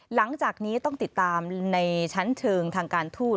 หลังจากนี้ต้องติดตามในชั้นเชิงทางการทูต